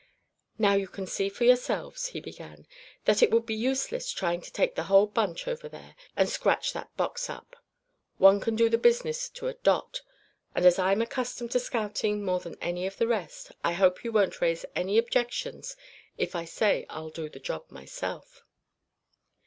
"Now you can see for yourselves," he began, "that it would be useless trying to take the whole bunch over there, and scratch that box up. One can do the business to a dot, and as I'm accustomed to scouting more than any of the rest, I hope you won't try to raise any objections if I say I'll do the job myself."